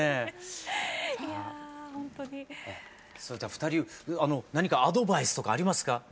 それでは２人何かアドバイスとかありますか？